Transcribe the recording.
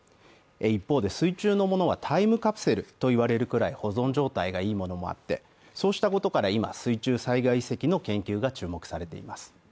一方で水中のものはタイムカプセルといわれるぐらい保存状態がいいものもあって、そうしたことから今、水中災害遺跡の研究が注目されています。